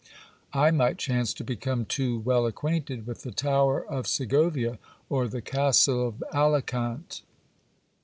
I might chance to become too well acquainted with the tower of Segovia or the castle of Alicant.